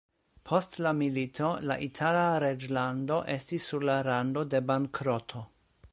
Post la milito la itala reĝlando estis sur la rando de bankroto.